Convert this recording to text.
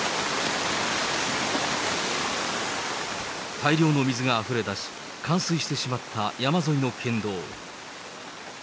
大量の水があふれ出し、冠水してしまった山沿いの県道。